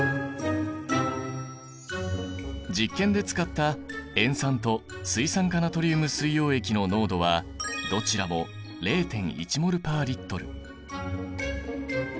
実験で使った塩酸と水酸化ナトリウム水溶液の濃度はどちらも０．１ｍｏｌ／Ｌ。